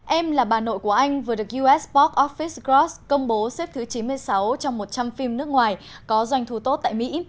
em là bà nội của anh vừa được us office gross công bố xếp thứ chín mươi sáu trong một trăm linh phim nước ngoài có doanh thu tốt tại mỹ